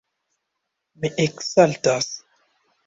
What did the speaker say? Mi eksaltas.